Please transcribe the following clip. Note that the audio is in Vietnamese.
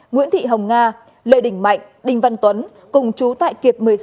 nguyễn thị hồng nga lê đình mạnh đình văn tuấn cùng chú tại kiệp một mươi sáu